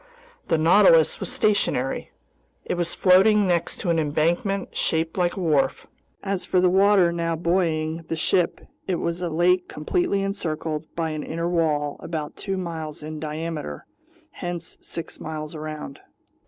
The Nautilus was stationary. It was floating next to an embankment shaped like a wharf. As for the water now buoying the ship, it was a lake completely encircled by an inner wall about two miles in diameter, hence six miles around.